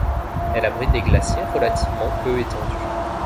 Elle abrite des glaciers relativement peu étendus.